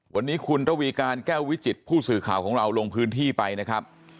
วันนี้คุณระวีการแก้ววิจิตผู้สื่อข่าวของเราลงพื้นที่ไปนะครับ